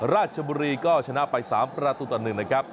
ราชบุรีก็ชนะไป๓ประตูต่อ๑นะครับ